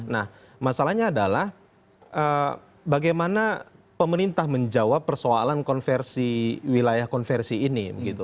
nah masalahnya adalah bagaimana pemerintah menjawab persoalan wilayah konversi ini